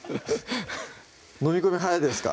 のみ込み早いですか？